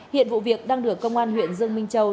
hiện vụ việc đang được công an huyện dương minh châu